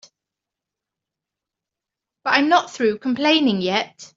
But I'm not through complaining yet.